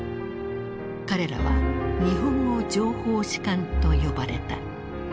彼らは「日本語情報士官」と呼ばれた。